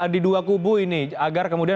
di dua kubu ini agar kemudian